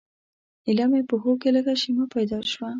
ایله مې پښو کې لږه شیمه پیدا شوه.